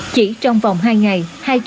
chỉ trong vòng hai ngày